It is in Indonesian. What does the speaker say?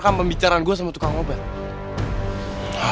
yang mana warna suhu itu arah pemacu teman